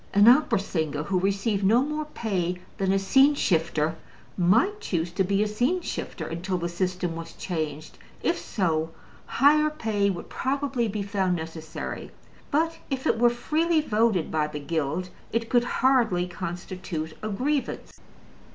An opera singer who received no more pay than a scene shifter might choose to be a scene shifter until the system was changed: if so, higher pay would probably be found necessary. But if it were freely voted by the Guild, it could hardly constitute a grievance.